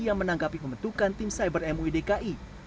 yang menanggapi pembentukan tim cyber muidki